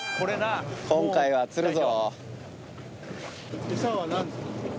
今回は釣るぞ。